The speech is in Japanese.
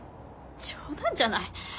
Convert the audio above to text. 冗談じゃない。